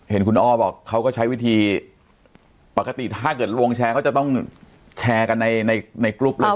เห็นคุณอ้อบอกเขาก็ใช้วิธีปกติถ้าเกิดวงแชร์เขาจะต้องแชร์กันในในกรุ๊ปเลย